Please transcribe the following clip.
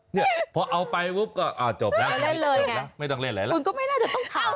เนี่ยพอเอาไปปุ๊บก็จบแล้วจบนะไม่ต้องเล่นอะไรแล้วคุณก็ไม่น่าจะต้องทำ